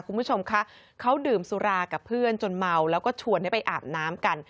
คุณผู้ชมคะเขาดื่มสุรากับเพื่อนจนเมาแล้วก็ชวนให้ไปอาบน้ำกัน